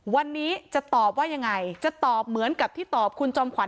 วันนี้จะตอบว่ายังไงจะตอบเหมือนกับที่ตอบคุณจอมขวั